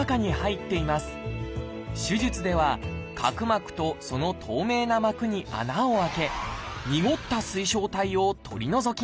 手術では角膜とその透明な膜に穴を開けにごった水晶体を取り除きます。